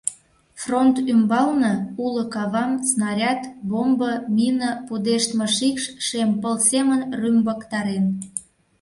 Фронт ӱмбалне уло кавам снаряд, бомбо, мине пудештме шикш шем пыл семын рӱмбыктарен.